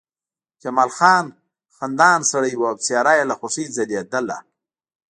جمال خان خندان سړی و او څېره یې له خوښۍ ځلېدله